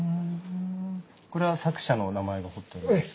これは作者のお名前が彫ってあるんですか？